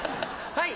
はい。